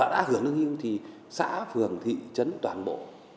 mà đã hưởng nước hưu thì xã phường thị trấn toàn bộ